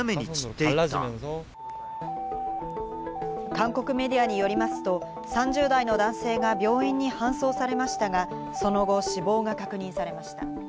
韓国メディアによりますと、３０代の男性が病院に搬送されましたが、その後、死亡が確認されました。